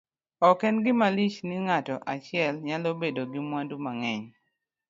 ok en gima lich ni ng'ato achiel nyalo bedo gi mwandu mang'eny